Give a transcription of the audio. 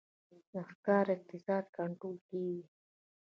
د ښکار اقتصاد کنټرول کیږي